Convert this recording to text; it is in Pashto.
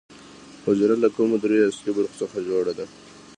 حجره له کومو درېیو اصلي برخو څخه جوړه ده